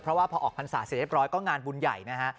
เพราะว่าพอออกพรรษาเสร็จเรียบร้อยก็งานบุญใหญ่นะฮะ